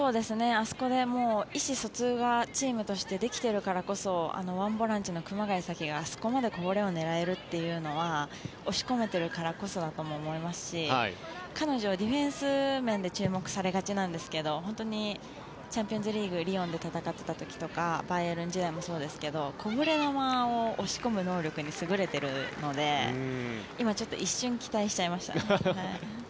あそこで意思疎通がチームとしてできているからこそワンボランチの熊谷紗希があそこまでこぼれを狙えるというのは押し込めているからこそだと思いますし彼女、ディフェンス面で注目されがちなんですけど本当にチャンピオンズリーグリヨンで戦っていた時やバイエルン時代もそうですけどこぼれ球を押し込む能力に優れているので今、一瞬期待しちゃいましたね。